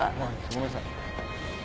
ごめんなさい。